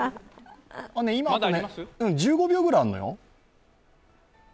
１５秒ぐらいあんのよ？